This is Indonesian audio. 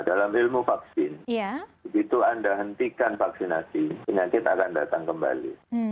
dalam ilmu vaksin begitu anda hentikan vaksinasi penyakit akan datang kembali